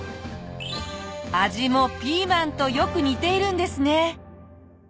味もピーマンとよく似ているんですね。